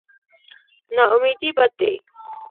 نااميدي بد دی.